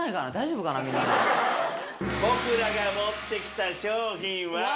僕らが持って来た商品は。